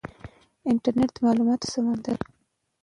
انټرنیټ د معلوماتو سمندر دی.